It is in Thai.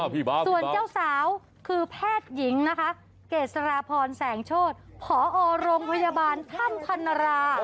ส่วนเจ้าสาวคือแพทย์หญิงนะคะเกษราพรแสงโชธผอโรงพยาบาลถ้ำพันรา